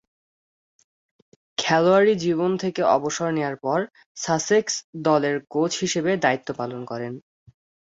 খেলোয়াড়ী জীবন থেকে অবসর নেয়ার পর সাসেক্স দলের কোচ হিসেবে দায়িত্ব পালন করেন।